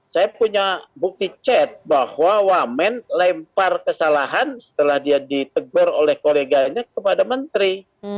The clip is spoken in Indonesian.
saya punya bukti chat bahwa wamen lempar kesalahan setelah dia ditegur oleh koleganya kepada menteri